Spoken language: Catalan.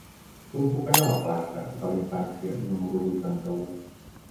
Com puc anar a la plaça de la Infància número vuitanta-u?